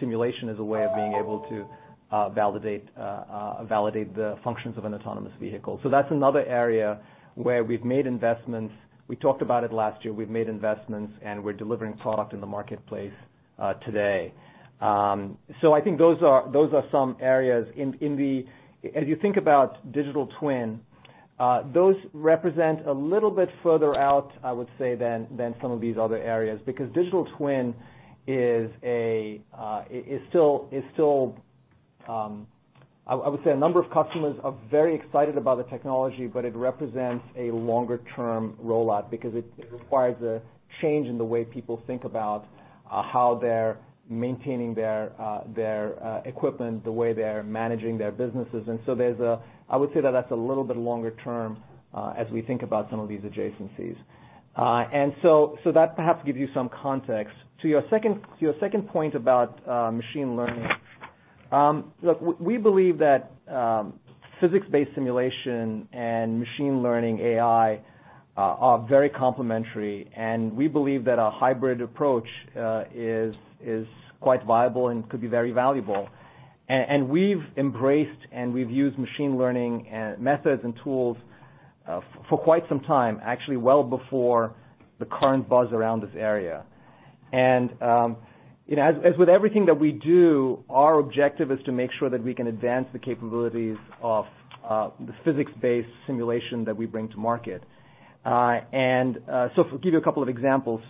simulation as a way of being able to validate the functions of an autonomous vehicle. That's another area where we've made investments. We talked about it last year. We've made investments, and we're delivering product in the marketplace today. I think those are some areas. If you think about digital twin, those represent a little bit further out, I would say, than some of these other areas, because digital twin is still, I would say, a number of customers are very excited about the technology, but it represents a longer-term rollout because it requires a change in the way people think about how they're maintaining their equipment, the way they're managing their businesses. I would say that that's a little bit longer-term, as we think about some of these adjacencies. That perhaps gives you some context. To your second point about machine learning. Look, we believe that physics-based simulation and machine learning AI are very complementary, and we believe that a hybrid approach is quite viable and could be very valuable. We've embraced and we've used machine learning methods and tools for quite some time, actually well before the current buzz around this area. As with everything that we do, our objective is to make sure that we can advance the capabilities of the physics-based simulation that we bring to market. To give you a couple of examples.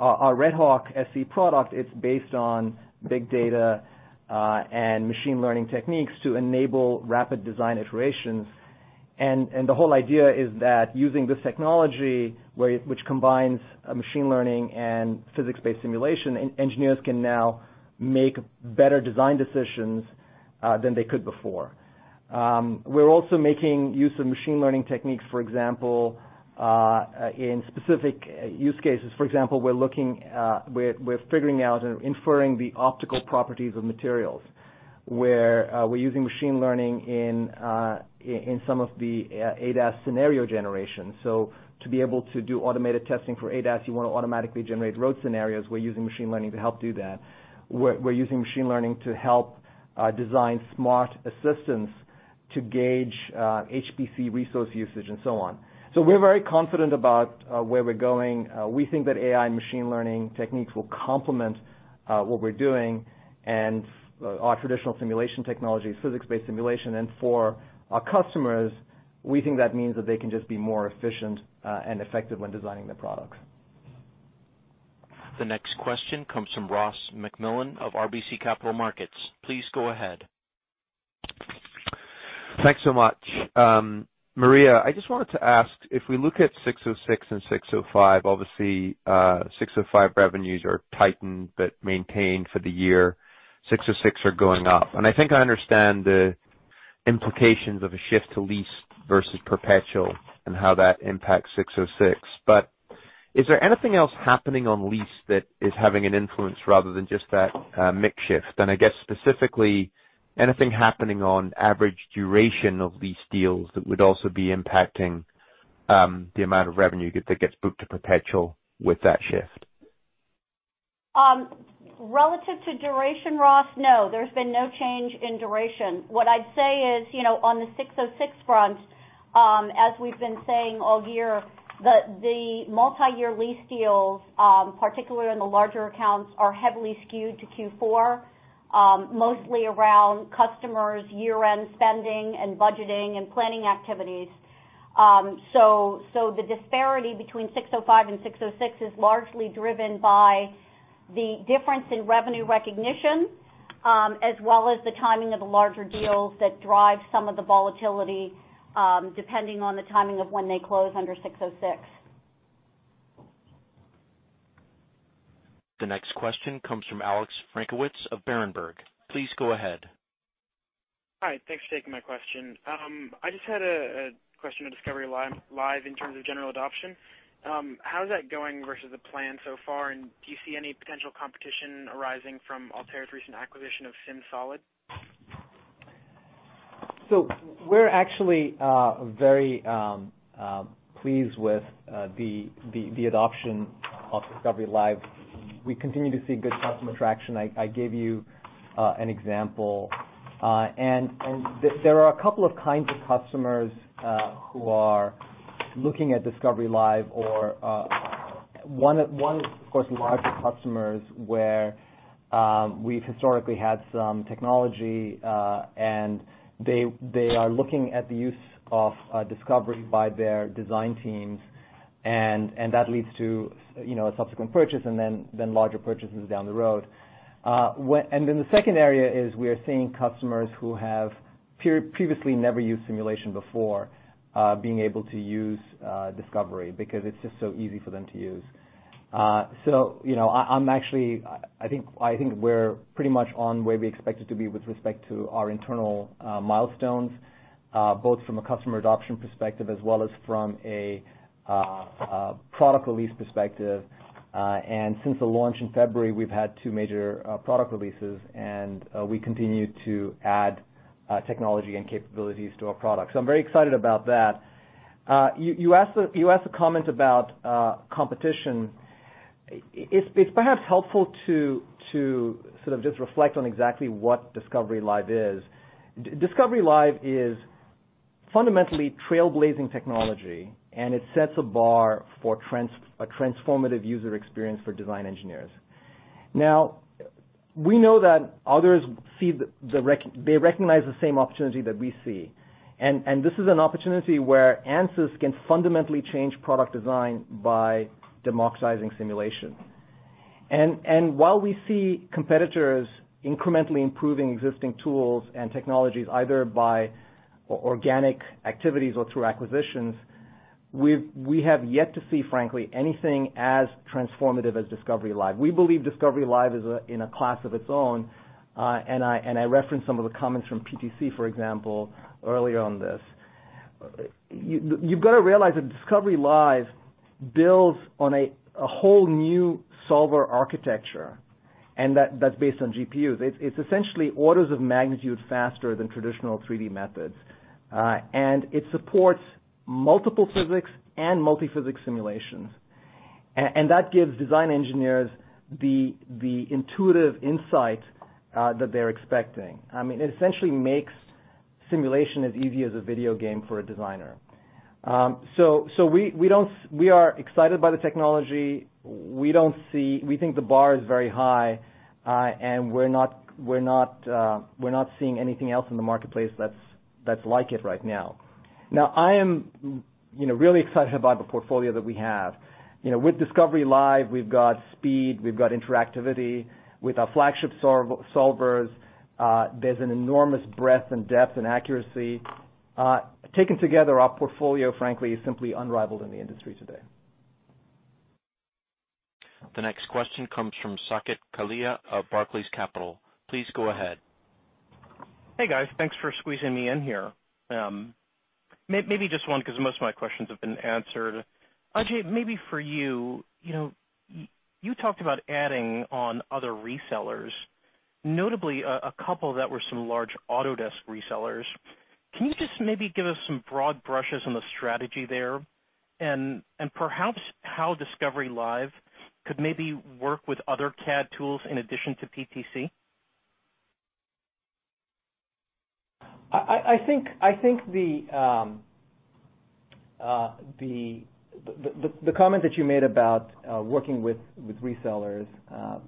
Our RedHawk-SC product, it's based on big data and machine learning techniques to enable rapid design iterations. The whole idea is that using this technology, which combines machine learning and physics-based simulation, engineers can now make better design decisions than they could before. We're also making use of machine learning techniques, for example, in specific use cases. For example, we're figuring out and inferring the optical properties of materials, where we're using machine learning in some of the ADAS scenario generation. To be able to do automated testing for ADAS, you want to automatically generate road scenarios. We're using machine learning to help do that. We're using machine learning to help design smart assistants to gauge HPC resource usage and so on. We're very confident about where we're going. We think that AI and machine learning techniques will complement what we're doing and our traditional simulation technology, physics-based simulation. For our customers, we think that means that they can just be more efficient and effective when designing their products. The next question comes from Ross MacMillan of RBC Capital Markets. Please go ahead. Thanks so much. Maria, I just wanted to ask, if we look at 606 and 605, obviously, 605 revenues are tightened but maintained for the year. 606 are going up. I think I understand the implications of a shift to lease versus perpetual and how that impacts 606. Is there anything else happening on lease that is having an influence rather than just that mix shift? I guess specifically, anything happening on average duration of lease deals that would also be impacting the amount of revenue that gets booked to perpetual with that shift? Relative to duration, Ross, no. There's been no change in duration. What I'd say is, on the 606 front, as we've been saying all year, the multi-year lease deals, particularly in the larger accounts, are heavily skewed to Q4. Mostly around customers' year-end spending and budgeting and planning activities. The disparity between 605 and 606 is largely driven by the difference in revenue recognition, as well as the timing of the larger deals that drive some of the volatility, depending on the timing of when they close under 606. The next question comes from Alex Frankiewicz of Berenberg. Please go ahead. Hi, thanks for taking my question. I just had a question on Discovery Live in terms of general adoption. How is that going versus the plan so far? Do you see any potential competition arising from Altair's recent acquisition of SIMSOLID? We're actually very pleased with the adoption of Discovery Live. We continue to see good customer attraction. I gave you an example. There are a couple of kinds of customers who are looking at Discovery Live. One, of course, larger customers where we've historically had some technology, and they are looking at the use of Discovery by their design teams, and that leads to a subsequent purchase and then larger purchases down the road. The second area is we are seeing customers who have previously never used simulation before, being able to use Discovery because it's just so easy for them to use. I think we're pretty much on where we expected to be with respect to our internal milestones, both from a customer adoption perspective as well as from a product release perspective. Since the launch in February, we've had two major product releases, and we continue to add technology and capabilities to our product. I'm very excited about that. You asked a comment about competition. It's perhaps helpful to just reflect on exactly what Discovery Live is. Discovery Live is fundamentally trailblazing technology, and it sets a bar for a transformative user experience for design engineers. Now, we know that others recognize the same opportunity that we see. This is an opportunity where Ansys can fundamentally change product design by democratizing simulation. While we see competitors incrementally improving existing tools and technologies, either by organic activities or through acquisitions, we have yet to see, frankly, anything as transformative as Discovery Live. We believe Discovery Live is in a class of its own, and I referenced some of the comments from PTC, for example, earlier on this. You've got to realize that Discovery Live builds on a whole new solver architecture, and that's based on GPUs. It's essentially orders of magnitude faster than traditional 3D methods. It supports multiple physics and multi-physics simulations. That gives design engineers the intuitive insight that they're expecting. I mean, it essentially makes simulation as easy as a video game for a designer. We are excited by the technology. We think the bar is very high, and we're not seeing anything else in the marketplace that's like it right now. Now, I am really excited about the portfolio that we have. With Discovery Live, we've got speed, we've got interactivity. With our flagship solvers, there's an enormous breadth and depth and accuracy. Taken together, our portfolio, frankly, is simply unrivaled in the industry today. The next question comes from Saket Kalia of Barclays Capital. Please go ahead. Hey, guys. Thanks for squeezing me in here. Maybe just one, because most of my questions have been answered. Ajei, maybe for you. You talked about adding on other resellers, notably a couple that were some large Autodesk resellers. Can you just maybe give us some broad brushes on the strategy there? Perhaps how Discovery Live could maybe work with other CAD tools in addition to PTC? I think the comment that you made about working with resellers,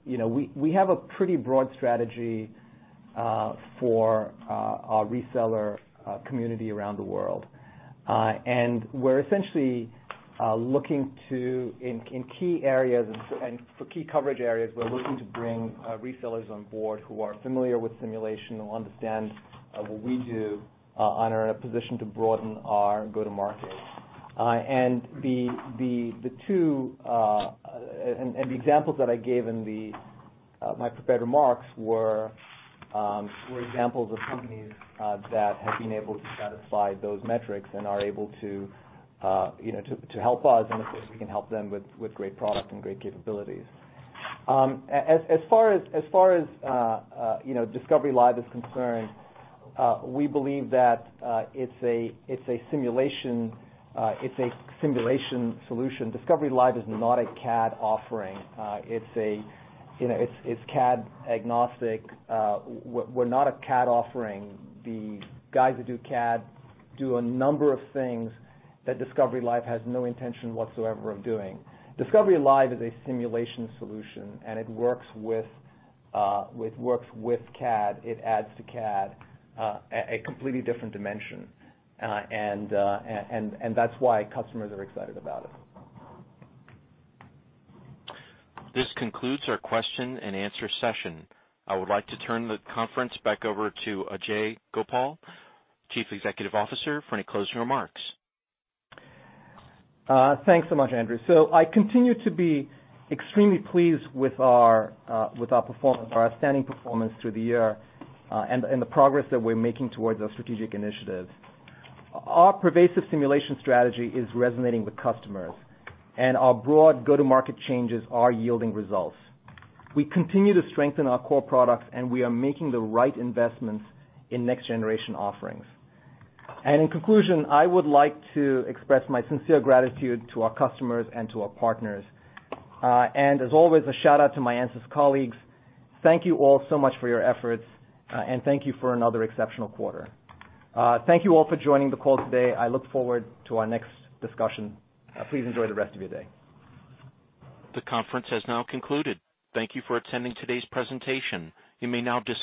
we have a pretty broad strategy for our reseller community around the world. We're essentially looking to, in key areas, and for key coverage areas, we're looking to bring resellers on board who are familiar with simulation and understand what we do, and are in a position to broaden our go-to-market. The examples that I gave in my prepared remarks were examples of companies that have been able to satisfy those metrics and are able to help us, and of course, we can help them with great product and great capabilities. As far as Discovery Live is concerned, we believe that it's a simulation solution. Discovery Live is not a CAD offering. It's CAD-agnostic. We're not a CAD offering. The guys that do CAD do a number of things that Discovery Live has no intention whatsoever of doing. Discovery Live is a simulation solution, and it works with CAD. It adds to CAD a completely different dimension. That's why customers are excited about it. This concludes our question and answer session. I would like to turn the conference back over to Ajei Gopal, Chief Executive Officer, for any closing remarks. Thanks so much, Andrew. I continue to be extremely pleased with our outstanding performance through the year, and the progress that we're making towards our strategic initiatives. Our pervasive simulation strategy is resonating with customers, our broad go-to-market changes are yielding results. We continue to strengthen our core products, we are making the right investments in next-generation offerings. In conclusion, I would like to express my sincere gratitude to our customers and to our partners. As always, a shout-out to my Ansys colleagues. Thank you all so much for your efforts, and thank you for another exceptional quarter. Thank you all for joining the call today. I look forward to our next discussion. Please enjoy the rest of your day. The conference has now concluded. Thank you for attending today's presentation. You may now disconnect.